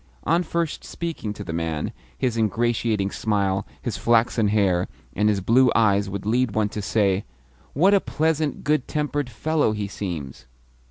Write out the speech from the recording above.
On first speaking to the man, his ingratiating smile, his flaxen hair, and his blue eyes would lead one to say, "What a pleasant, good tempered fellow he seems!"